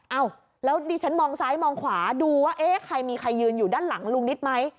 เอ้าแล้วดิฉันมองซ้ายมองขวาดูว่าเอ๊ะใครมีใครยืนอยู่ด้านหลังลุงนิดไหม